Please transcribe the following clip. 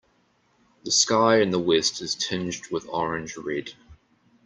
The sky in the west is tinged with orange red.